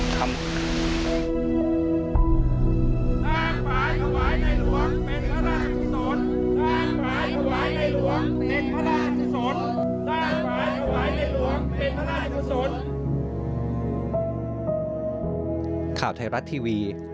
ขอบคุณครับ